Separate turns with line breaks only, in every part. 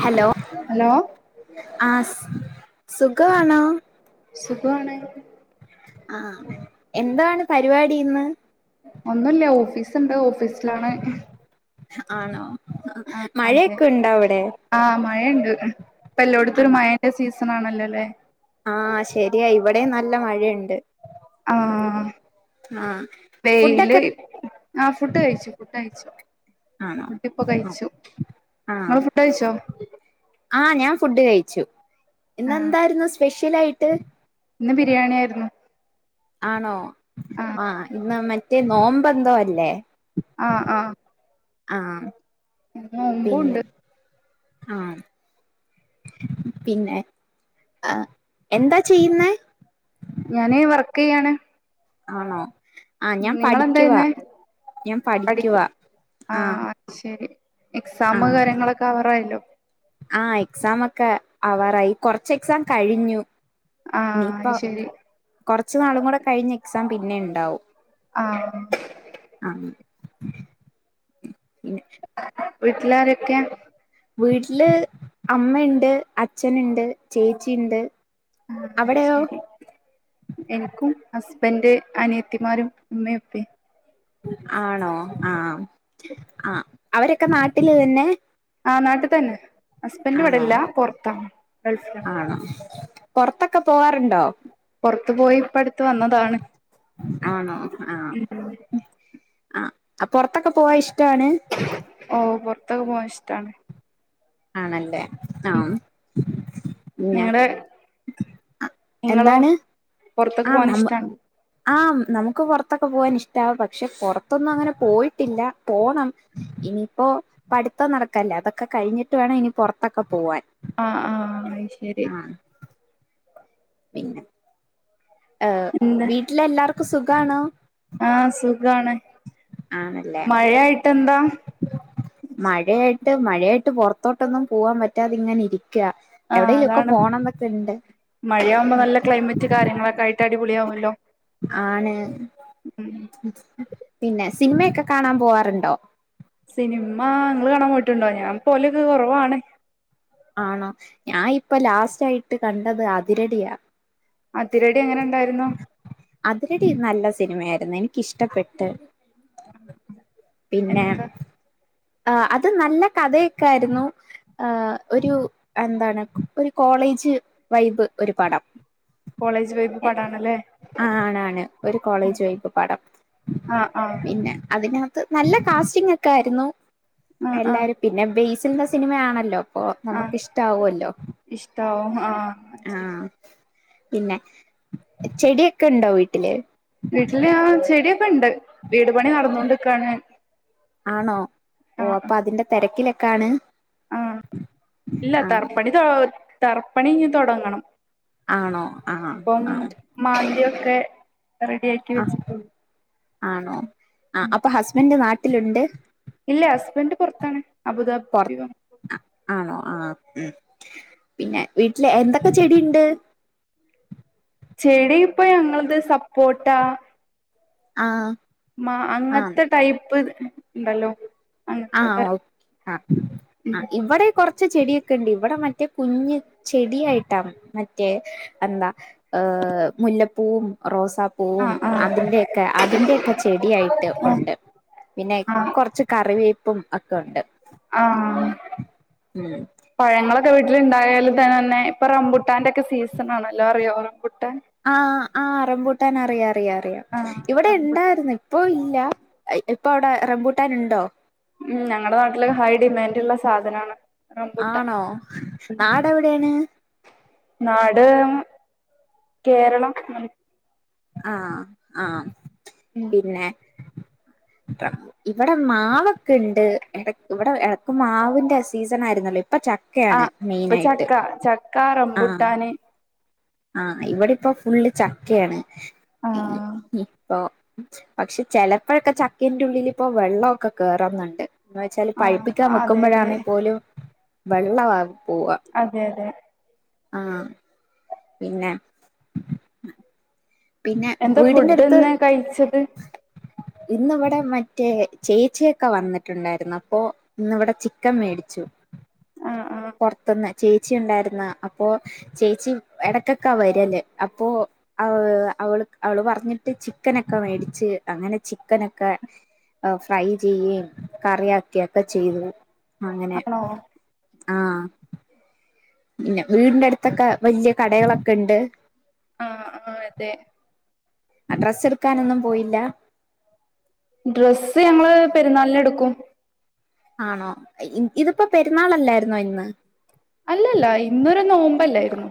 Hello
hello
ആഹ് സ് സുഖവാണോ?
സുഖമാണ്.
ആഹ് എന്താണ് പരിപാടി ഇന്ന്
ഒന്നുല്ല ഓഫീസ് ഇണ്ട് ഓഫീസിലാണ്.
ആണോ മഴയൊക്കെ ഉണ്ടോ അവിടെ
ആഹ് മഴയ്ണ്ട് ഇപ്പ എല്ലോടത്തും ഒരു മഴന്റെ സീസൺ ആണല്ലോ ല്ലേ.
ആഹ് ശരിയാ ഇവിടെ നല്ല മഴയുണ്ട്.
ആഹ്
ആഹ്
വെയില് ആഹ് ഫുഡ് കഴിച്ചു ഫുഡ് കഴിച്ചു.
ആണോ
ഫുഡ് ഇപ്പൊ കഴിച്ചു ഇങ്ങള് ഫുഡഴിച്ചോ?
ആഹ് ഞാൻ ഫുഡ് കഴിച്ചു
ആ
ഇന്നന്തായിരുന്നു സ്പെഷ്യലായിട്ട്?
ഇന്ന് ബിരിയാണി ആയിരുന്നു.
ആണോ
ആ
ആഹ് ഇന്ന് മറ്റേ നോമ്പെന്തോ അല്ലേ?
ആഹ് ആഹ്.
ആഹ് പിന്നെ
നോമ്പുണ്ട്
ആഹ്. പിന്നെ ആഹ് എന്താ ചെയ്യുന്നേ
ഞാന് വർക്ക് ചെയ്യാണ്.
ആണോ ആഹ് ഞാൻ
നിങ്ങളെന്താ
പഠിക്കുവാ
ചെയ്യുന്നേ
ഞാൻ
പഠിക്കു
പഠിക്കുവാ
ആ
ആഹ്.
ശരി എക്സാമ് കാര്യങ്ങളൊക്കെ ആവറായല്ലോ.
ആഹ് എക്സാമൊക്കെ ആവാറായി കൊറച്ച് എക്സാം കഴിഞ്ഞു.
ആ
ഇനി ഇപ്പോ
അയ്ശരി
കൊറച്ചു നാളും കൂടെ കഴിഞ്ഞ് എക്സാം പിന്നെ ഇണ്ടാവും.
ആഹ്.
ആഹ്. പിന്നെ
വീട്ടിലാരൊക്കെ?
വീട്ടില് അമ്മ ഇണ്ട് അച്ഛന്ണ്ട് ചേച്ചി ഇണ്ട്.
ആഹ് അയ് ശരി. എനിക്കും ഹസ്ബന്റ് അനിയത്തിമാരും ഉമ്മെം ഉപ്പിം
ആണോ ആഹ് ആഹ് അവരൊക്കെ നാട്ടില് തന്നെ.
ആഹ് നാട്ട് തന്നെ ഹസ്ബൻ്റ് ഇവടെ
ആണോ
ഇല്ല പൊറത്ത ഗൾഫില.
ആണോ പൊറത്തൊക്കെ പോവാറുണ്ടോ
പൊറത്തു പോയി ഇപ്പ അടുത്ത് വന്നതാണ്.
ആണോ ആഹ് ആഹ് ആ പൊറത്തൊക്കെ പോവാൻ ഇഷ്ടാണ്.
ഓഹ് പൊറത്തൊക്കെ പോവാൻ ഇഷ്ടാണ്.
ആണല്ലേ ആഹ് പിന്നെ
നിങ്ങള് നിങ്ങളോ
എന്താണ്
പൊറത്തൊക്കെ
ആഹ്
പോവാൻ
നമ്മ
ഇഷ്ടാണ്
ആഹ് നമുക്ക് പൊറത്തൊക്കെ പോവാനിഷ്ടാ പക്ഷെ പൊറത്തൊന്നും അങ്ങനെ പോയിട്ടില്ല പോണം. ഇനിയിപ്പോ പഠിത്തം നടക്കല്ലേ അതൊക്കെ കഴിഞ്ഞിട്ട് വേണം ഇനി പൊറത്തൊക്കെ പോവാൻ.
ആഹ് ആഹ് അത് ശരി
ആഹ് പിന്നെ. ഏഹ്
എന്താ
വീട്ടില എല്ലാർക്കും സുഗാണോ?
ആഹ് സുഖാണ്.
ആണല്ലേ.
മഴയായിട്ട് എന്താ
മഴ ആയി ട്ട് മഴായിട്ട് പൊറത്തോട്ടൊന്നും പോവാൻ പറ്റാത ഇങ്ങനെ ഇരിക്ക.
ആഹ്
എവിടെേലുമൊക്കെ
അതാണ്
പോണം എന്നൊക്കെ ഉണ്ട്
മഴയാവുമ്പോ നല്ല ക്ലൈമറ്റ് കാര്യങ്ങളൊക്കായിട്ട് അടിപൊളി ആവല്ലോ.
ആണ് പിന്നെ സിനിമയൊക്കെ കാണാ പോവാറുണ്ടോ?
സിനിമ ഇങ്ങള് കാണാ പോയിട്ടുണ്ടോ ഞാൻ പോലൊക്കെ കൊറവാണ്.
ആണോ ഞാൻ ഇപ്പൊ ലാസ്റ്റായിട്ട് കണ്ടത് അതിരടിയാ.
അതിരടി എങ്ങനെ ഇണ്ടായിരുന്നു
അതിരടി നല്ല സിനിമായിരുന്നു എനിക്കിഷ്ടപ്പെട്ട്. പിന്നെ.
എന്താ
ആഹ് അത് നല്ല കഥക്കായിരുന്നു ആഹ്. ഒരു എന്താണ് ഒരു കോളേജ് വൈബ് ഒരു പടം.
കോളേജ് വൈബ് പടാണല്ലേ
ആണണാണ് ഒരു കോളേജ് വൈബ് പടം.
ആഹ് ആഹ്
പിന്നെ അതിനാ നല്ല കാസ്റ്റിംഗ് ഒക്കെ ആയിരുന്നു
ആഹ് ആഹ്
എല്ലാരും പിന്നെ ബേസിൽൻ്റെ സിനിമയാണല്ലോ അപ്പൊ
ആഹ്
നമുക്കിഷ്ടാവല്ലോ
ഇഷ്ടാവും ആഹ്
ആ
ശരി
പിന്നെ ചെടിയൊക്കെ ഉണ്ടോ വീട്ടില്
വീട്ടില് ആ ചെടിയൊക്കെ ഇണ്ട് വീട് പണി നടന്നോണ്ടിരിക്കുവാണ്
ആണോ ഓഹ് അപ്പൊ അതിന്റെ തിരക്കിലൊക്കെ ആണ്
ആ ഇല്ല തറപ്പണി തർപ്പണി ഇനി തൊടങ്ങണം
ആണോ ആഹ് ആഹ്
മാന്തിയൊക്കെ റെഡിയാക്കി
ആഹ്
വെച്ചിട്ടുള്ളൂ.
ആണോ ആഹ്
ഉം
അപ്പൊ ഹസ്ബൻ്റ് നാട്ടിലുണ്ട്
ഇല്ല ഹസ്ബൻഡ് പുറത്താണ്
പൊറ
അബുദാബി
ആണോ ആ ഉം പിന്നെ വീട്ടില് എന്തൊക്കെ ചെടിണ്ട്
ചെടി ഇപ്പൊ ഞങ്ങളത് സപ്പോട്ടാ
ആഹ്
മാ
ആഹ്
അങ്ങത്തെ ടൈപ്പ് ഉണ്ടല്ലോ അങ്ങനത്തെ
ആഹ്
തര
ഓഹ് ആഹ് ആഹ് ഇവിടെ കുറച്ച് കൊച്ച് ചെടിയൊക്കെ ഇണ്ട് ഇവിടെ മറ്റേ കുഞ്ഞ് ചെടായിട്ടാ മറ്റേ എന്താ ഏഹ് മുല്ലപ്പൂവും റോസാപ്പൂവും
ആഹ് ആഹ്
അതിന്റെ അതിന്റെക്കെ ചെടിയായിട്ട്
ആഹ്
ഉണ്ട് പിന്നെ
ആഹ്
കുറച്ച് കറിവേ പ്പം ഒക്കെ ഉണ്ട്
ആഹ്
ഉം
പഴങ്ങളൊക്കെ വീട്ടിലുണ്ടായാലും തന്നെ തന്നെ ഇപ്പൊറബുട്ടാന്റൊക്കെ സീസൺ ആണല്ലോ അറിയോ റംബുട്ടാന്
ആഹ് ആഹ് റംമ്പൂട്ടാൻ അറിയാം അറിയാം അറിയാം
ആഹ്
ഇവിടെ
റംബുട്ടാൻ
ഉണ്ടായിര്ന്ന് ഇ ഇപ്പോ ഇല്ല ഇപ്പൊ അവിടെ റംബൂട്ടാന ഉണ്ടോ?
ഉം ഞങ്ങടെ നാട്ടിലൊക്കെ ഹൈ ഡിമാൻഡുള്ള സാധനാണ്. റംബുട്ടാൻ
ആണോ നാടെവിടേണ്.
നാട് കേരളം.
ആഹ് ആഹ്.
ഉം.
പിന്നെ ഇവിടെ മാവൊക്കെണ്ട്. ടെക്ക് ഇവിടെ ഇടക്ക് മാവിന്റെ സീസൺ ആയിരുന്നല്ലോ ഇപ്പൊചക് ക്കെയാണ്
ആഹ് ഇപ്പൊ
മെയിനായിട്ട്
ചക്ക ചക്ക
ആഹ്.
റംബുട്ടാന്
ആഹ് ഇവിടെപ്പോ ഫുള്ള് ചക്കയാണ്
ആഹ്
ഇപ്പൊ പക്ഷെ ചെലപ്പോഴൊക്കെ ചക്കന്റെ ഉള്ളില് ഇപ്പോ വെള്ളൊക്കെ കേറന്നുണ്ട്. എന്ന് വെച്ചാല്
ആഹ്
പഴുപ്പിക്കാൻ
അതെ അതെ
വെക്കുമ്പോഴാണെ പോലും വെള്ളവ പോവാ.
അതെ അതെ
ആഹ്. പിന്നെ- പിന്നെ
എന്താ
വീടിന്റെ അടുത്ത്
ഫുഡ്ന്ന് കഴിച്ചത്?
ഇന്നിവിടെ മറ്റേ ചേച്ചിയൊക്കെ വന്നിട്ടുണ്ടായിരുന്നു അപ്പോ ഇന്ന് ഇവിടെ ചിക്കൻ മേടിച്ചു.
ആഹ് ആഹ്.
പൊർത്ത്ന്ന് ചേച്ചി ഉണ്ടായിരുന്ന് അപ്പൊ ചേച്ചി ഇടക്കൊക്കാ വരല് അപ്പോ ഔഅ അവൾ അവള് പറഞ്ഞിട്ട് ചിക്കനൊക്കെ മേടിച്ച് അങ്ങനെ ചിക്കനൊക്കെ ഫ്രൈ ചെയ്യുകയും കറിയാക്കുക ഒക്കെ ചെയ്തു അങ്ങനെ
ആണോ
ആഹ്. ഇല്ല വീടിന്റെ അടുത്തൊക്കെ വലിയ കടേകളൊക്കെണ്ട്.
ആഹ് ആ അതെ-
ഡ്രെസ്സ് എടുക്കാനൊന്നും പോയില്ല?
ഡ്രസ്സ് ഞങ്ങള് പെരുന്നാളിന് എടുക്കും.
ആണോ ഇതിപ്പോ പെരുന്നാളല്ലായിരുന്നോ ഇന്ന്?
അല്ലല്ല ഇന്നൊര് നോമ്പല്ലായിരുന്നു.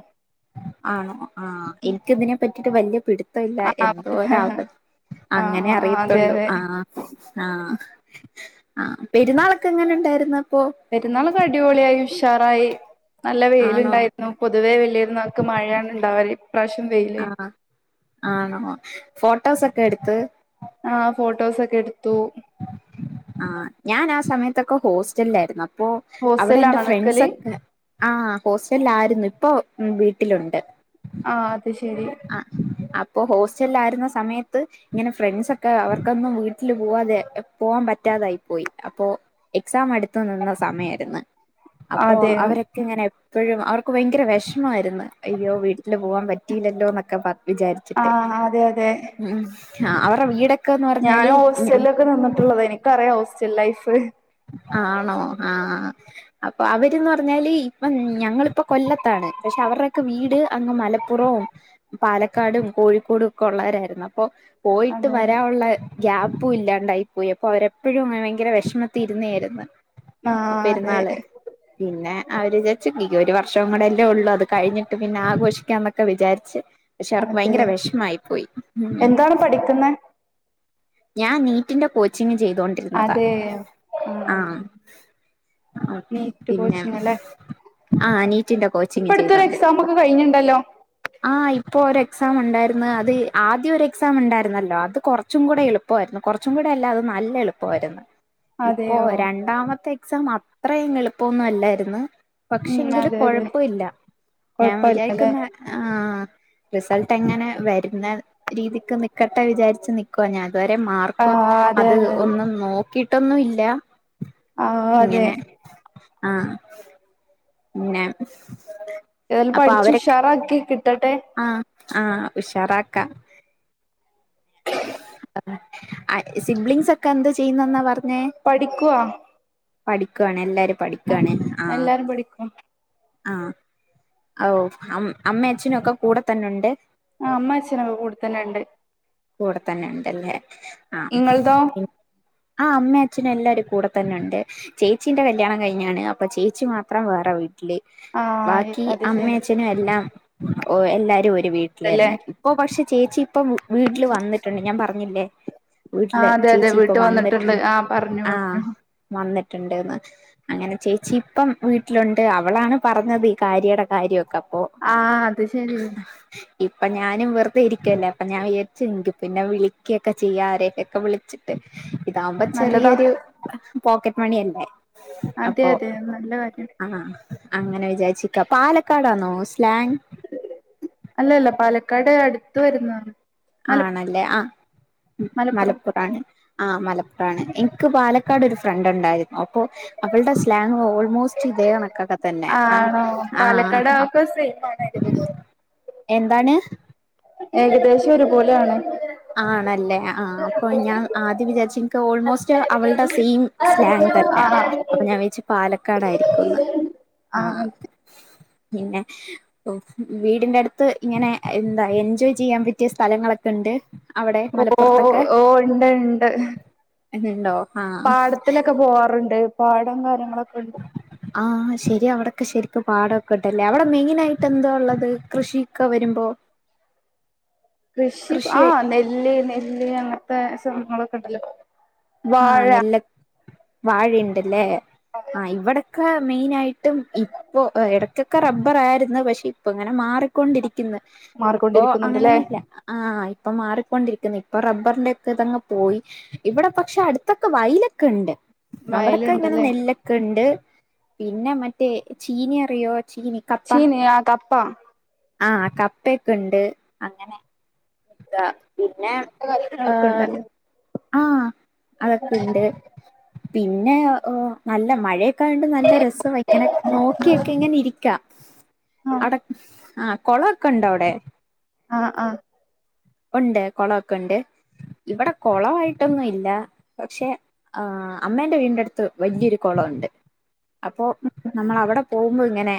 ആണോ ആഹ് ഇനിക്ക് ഇതിനെ പറ്റിട്ട് വലിയ പിടുത് ത്തവില്ല
ആഹ് ആഹ്
എന്തോരവധി അങ്ങനെ
ആഹ് അതെ
അറിയത്തുള്ളൂ
അതെ
ആഹ്. ആഹ് ആഹ് പെരുന്നാളൊക്കെ എങ്ങനെണ്ടായിരുന്നു അപ്പൊ?
പെരുന്നാളൊക്കെ അടിപൊളിയായി ഉഷാറായി നല്ല
ആണോ
വെയിലുണ്ടായി. പൊതുവേ വലിയി പെരുന്നാൾക്ക് മഴയാണ് ണ്ടാവല് ഇപ്രാവശ്യം വെയില്
ആഹ് ആണോ ഫോട്ടോസൊക്കെ എടുത്ത്-
ആഹ് ഫോട്ടോസൊക്കെ എടുത്തു.
ആഹ് ഞാൻ ആ സമയത്തൊക്കെ ഹോസ്റ്റലിലായിരുന്നു അപ്പോ അവിടെ എൻറെ
ഹോസ്റ്റലിലാണോ
ഫ്രണ്ട്സ്
നിക്കല്
ഒക്കെ ആഹ് ഹോസ്റ്റല ആയിരുന്നു ഇപ്പൊ വീട്ടിലൊണ്ട്.
ആഹ് അത് ശരി.
ആഹ് അപ്പോ ഹോസ്റ്റലിൽ ആയിരുന്ന സമയത്ത് ഇങ്ങനെ ഫ്രണ്ട്സൊക്കെ അവർക്കൊന്നും വീ വീട്ടില് പോവാതെ പോവാൻ പറ്റാതായി പോയി അപ്പോ എക്സാം അടുത്തു നിന്ന സമയായിരുന്നു അപ്പോ
അതെയോ
അവരെ ഇങ്ങനെ എപ്പോഴും അവർക്ക് ഭയങ്കര വെഷമായിരുന്നു അയ്യോ വീട്ടിൽ പോകാൻ പറ്റിയില്ലല്ലോ എന്നൊക്കെ പറഞ് വിചാരിച്ചിട്ട്
ആഹ് അതെ അതെ
ഉം അവരടെ വീടൊക്കെന്ന് പറഞ്ഞാല് ഞ
ഹോസ്റ്റലൊക്കെ നിന്നിട്ടുള്ളത് എനിക്കറിയാം ഹോസ്റ്റൽ ലൈഫ്-
ആണോ ആഹ് ആ.. അപ്പൊ അവര്ന്ന് പറഞ്ഞാല് ഇപ്പം ഞങ്ങളിപ്പൊ കൊല്ലത്താണ് പക്ഷെ അവരുടെക്കെ വീട് അങ്ങ് മല പ്പുറവും പാലക്കാടും കോഴിക്കോടും ഒക്കെ ഉള്ളവരായിരുന്നു അപ്പൊ പോയിട്ട്
അതെ അതെ
വരാനുള്ള ഗ്യാപ്പും ഇല്ലാണ്ടായി പോയി അപ്പോ അവരെപ്പോഴും ഭയങ്കര വിഷമ തിരുന്നായിരുന്നു
ആഹ് അതെ
പെരുന്നാള് [unintelligible] പിന്നെ അവര് ചച്ച ഒരു വർഷവും പിന്നെ അവര് വിചാരിച്ച് ഒരു വർഷംകൂടെയല്ലേ ഉള്ളു അത് കഴിഞ്ഞിട്ട് പിന്നെ ആഘോഷിക്കാന്നൊക്കെ വിചാരിച്ച് പക്ഷെ അവർക്ക്
അതെ
ഭയങ്കര വിഷമായി പോയി
എന്താണ് പഠിക്കുന്നെ
ഞാൻ നീറ്റിന്റെ കോച്ചിങ് ചെയ്തൊണ്ടിരുന്നതാ
അതെയോ
ആഹ് ആഹ്
നീറ്റ്
പിന്നെ
കോച്ചിങ് അല്ലെ
ആഹ് അനീറ്റിന്റെ
ഇപ്പ
കോച്ചിങ്
അടുത്തൊരു എക്സാം
ചെയ്തൊണ്ടിരുന്നതാ
ഒക്കെ കഴിഞ്ഞിണ്ടല്ലോ
ആഹ് ഇപ്പോ ഒരു എക്സാം ഉണ്ടായിരുന്നു അത് ആദ്യം ഒരു എക്സാം ഉണ്ടായിരുന്നല്ലോ അത് കുറച്ചും കൂടെ എളുപ്പും എളുപ്പമായിരുന്നു കുറച്ചും കൂടെ അല്ല അത് നല്ല എളുപ്പമായിരുന്നു ഇപ്പോ
അതെയോ
രണ്ടാമത്തെ എക്സാം അത്രയും എളുപ്പമൊന്നും അല്ലായിരുന്നു പക്ഷെ
ഉം
എങ്കില്
അതെ അതെ
കുഴപ്പ മില്ല ഞാൻ
കൊഴപ്പല്ലല്ലേ
വിചാരിക്കുന്ന ആഹ് റിസൾട്ട് എങ്ങനെ വരുന്ന രീതിക്ക് നിക്കട്ടെ വിചാരിച്ചു നിക്കുവ ഞാൻ ഇതുവരെ മാർക്ക്
ആഹ് അതെ
അത്
അതെ അതെ
ഒന്നും നോക്കിട്ടൊന്നുംല്ല
ആഹ് അതെ
ഇങ്ങനെ ആഹ് ഇങ്ങനെ
ഏതായാലും പഠിച്ചുഷാറാക്കി കിട്ടട്ടെ
ആഹ് ആഹ് ഉുഷാറാക്ക സിബ്ലിങ്സ് ഒക്കെ എന്ത് ചെയ്യുന്നെന്നാ പറഞ്ഞേ
പഠിക്കുവാ
പഠിക്കുവാണ് എല്ലാരും പഠിക്കാണ് ആഹ്
പഠിക്ക [inaudible]
ആഹ് ഓ അമ്മ അച്ഛനും ഒക്കെ കൂടെ തന്നെ ഉണ്ട്
ആഹ് അമ്മ അച്ഛനൊക്കെ കൂടെ തന്നെ ഉണ്ട്
കൂടെ തന്നെണ്ടല്ലേ ആഹ്
ഇങ്ങളതോ
ആഹ് അമ്മയും അച്ഛനും എല്ലാരും കൂടെ തന്നെണ്ട് ചേച്ചിന്റെ കല്യാണം കഴിഞ്ഞാണ് അപ്പൊ ചേച്ചി മാത്രം വേറെ വീട്ടി
ആഹ്
ബാക്കി
അത്
അമ്മ
ശരി
അച്ഛനും എല്ലാം എല്ലാരും ഒരു
ണ്ടല്ലേ
വീട്ടില്ന്നെ ഇപ്പോ പക്ഷെ ചേച്ചി ഇപ്പം വീട്ടില് വന്നിട്ടുണ്ട് ഞാൻ പറഞ്ഞില്ലേ വീട്ടില്
ആഹ് അതെ അതെ
ചേച്ചി ഇപ്പൊ
വീട്ട്
വന്നിട്ടു
വന്നിട്ടുണ്ട് ആഹ് പറഞ്ഞു
ആഹ്
പറഞ്ഞു
വന്നിട്ടുണ്ട്ന്ന് ! ! ! ! ! ! ! ! ! !
ആഹ് അത് ശരി
ഇപ്പൊ ഞാനും വെറുതെ ഇരിക്കല്ലേ അപ്പ ഞാൻയച്ചുി പിന്നെ വിളിക്കുകൊക്കെ ചെയ്യാ ആരെയൊക്കെ ഒക്കെ വിളിച്ച് [unintelligible] ഇതാകുമ്പോ
നല്ലതാ
ചെറിയൊരു പോക്കറ്റ് മണിയല്ലെ
അതെ
അപ്പൊ
അതെ നല്ല കാര്യം
ആഹ് അങ്ങനെ വിചാച്ചിക്ക പാലക്കാടാന്നോ സ്ലാങ്.
അല്ലല്ല പാലക്കാട് അടുത്ത് വരുന്നതാണ്. മല
ആണല്ലേ ആഹ്
മലപ്പുറം
മലപ്പുറാണ്. ആഹ് മലപ്പുറാണ് എനിക്ക് പാലക്കാട് ഒരു ഫ്രണ്ട് ഉണ്ടായിരുന്നു, അപ്പോ അവളുടെ സ്ലാങ് ഓൾമോസ്റ്റ് ഇതേ കണക്കാക്ക. തന്നെ ആഹ്
ആണോ പാലക്കാട്
ആഹ്
ഒക്കെ സെയിമാണ് ഏകദേശം
എന്താണ്.
ഏകദേശം ഒരു പോലെയാണ്
ആണല്ലേ ആഹ് അപ്പൊ ഞാൻ ആദ്യം വിചാരിച്ച എനിക്ക് ഓൾമോസ്റ്റ് അവളുടെ സെയിം സ്ലാങ് തന്നെ
ആഹ്
അപ്പോ ഞാൻ വെച്ച് പാലക്കാടായിരിക്കും ന്ന്.
ആഹ് ആഹ്
പിന്നെ. ഓഹ് വീടിന്റെ അടുത്ത് ഇങ്ങനെ എന്താ എൻജോയ് ചെയ്യാൻ പറ്റിയ സ്ഥലങ്ങളൊക്കെ ഉണ്ട്. അവിടെ
ഓ
മലപ്പുറത്തൊക്കെ
ഓ ഉണ്ട് ഉണ്ട്
എണ്ടോ ആഹ്
ത്തിലൊക്കെ പോകാറുണ്ട്, പാടം കാര്യങ്ങളൊക്കെണ്ട്
ആഹ് ശരിയാ അവിടെക്കെ ശരിക്കും പാടൊക്കെ ഇണ്ടല്ലേ, അവിടെ മെയിനായിട്ട് എന്താ ഉള്ളത് കൃഷി ഒക്കെ വരുമ്പോ.
കൃഷി ആഹ് നെല്ല് നെല്ല് അങ്ങനത്തെ സംഭവങ്ങളൊക്കെ ഉണ്ടല്ലോ.
ആഹ്
വാഴ
നെല്ല് വാഴയുണ്ടല്ലേ ആഹ് ഇവിടെ ക്കെ മെയിനായിട്ടും ഇപ്പോ ഇടയ്ക്കൊക്കെ റബ്ബർ ആയിരുന്നു, പക്ഷേ ഇപ്പോ ഇങ്ങനെ മാറിക്കൊണ്ടിരിക്ക ഇപ്പോ
മാറിക്കൊണ്ടിരിക്കുന്നുണ്ടല്ലേ
അങ്ങനൊന്നും ല്ല ആഹ് ഇപ്പോ മാറിക്കൊണ്ടിരിക്കുന്നു, ഇപ്പോ റബ്ബറിന്റെ ഒക്കെ ഇതങ്ങ് പോയി ഇവിടെ പക്ഷെ അടുത്തൊക്കെ വയലൊക്കെ ഉണ്ട്, അവിടൊക്കെ ഇങ്ങനെ
വയലുണ്ടല്ലേ
നെല്ല് ഒക്കെ ഉണ്ട്, പിന്നെ മറ്റേ ചീനി അറിയോ ചീനി കപ്പ
ചീനി ആ കപ്പ.
ആഹ് കപ്പയൊക്കെ ഉണ്ട് അങ്ങനെ. പിന്നെ
ഒക്കെ
ആഹ്.
ഉണ്ടല്ലോ
ആഹ് അതൊക്കെ ഉണ്ട് പിന്നെ നല്ല മഴ ക്കണ്ട് നല്ല രസം ഇങ്ങനെ നോക്കിയൊക്കെ ഇങ്ങനെ ഇരിക്ക
ആഹ്
അവിട ആ. കുളൊക്കെ ഉണ്ടോ അവിടെ?
ആഹ് ആഹ്
ഉണ്ട് കുളൊക്കെ ഉണ്ട്, ഇവിടെ കുളായിട്ടൊന്നും ഇല്ല പക്ഷേ ആഹ് അമ്മേന്റെ വീടിന്റെ അടുത്ത് വലിയൊരു കുളംണ്ട് അപ്പോ നമ്മൾ അവിടെ പോകുമ്പോൾ ഇങ്ങനെ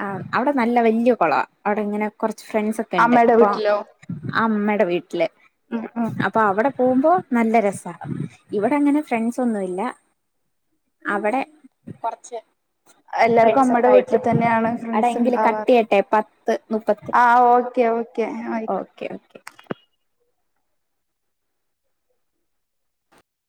ആ അവിടെ നല്ല വലിയ കുള അവിടെ ഇങ്ങനെ കുറച്ച് ഫ്രണ്ട്സ് ഒക്കെ ണ്ട്,
അമ്മയുടെ
അപ്പോ
വീട്ടിലോ
അമ്മയുടെ വീട്ടില്
ഉം ഉം
അ അപ്പോ അവിടെ പോകുമ്പോ നല്ല രസ. ഇവിടെ അങ്ങനെ ഫ്രണ്ട്സൊന്നുല്ല. അവിടെ കൊറച്ച്.
എല്ലാർക്കും
ഫ്രണ്ട്സ് ഒക്കെ
അമ്മയുടെ
ആയിട്ട്
വീട്ടിൽ തന്നെയാണ്
അവിടെ
ഫ്രണ്ട്സ്
എങ്കിലും
ഉണ്ടാവാറ്
കട്ടിയട്ടെ പത്ത് മുപ്പ
ആഹ് ഓക്കേ ഓക്കെ. ആയിക്കോട്ടെ
ഓക്കെ ഓക്കെ.